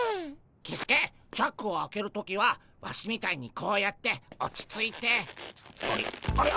キスケチャックを開ける時はワシみたいにこうやって落ち着いてあれあれ？